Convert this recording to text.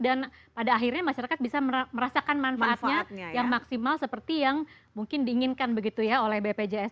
dan pada akhirnya masyarakat bisa merasakan manfaatnya yang maksimal seperti yang mungkin diinginkan begitu ya oleh bpjs